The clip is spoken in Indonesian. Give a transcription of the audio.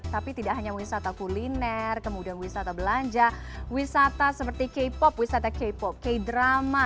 tapi tidak hanya wisata kuliner kemudian wisata belanja wisata seperti k pop wisata k pop k drama